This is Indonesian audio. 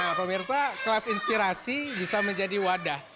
nah pemirsa kelas inspirasi bisa menjadi wadah